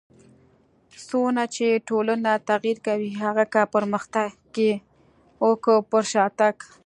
څونه چي ټولنه تغير کوي؛ هغه که پرمختګ يي او که پر شاتګ.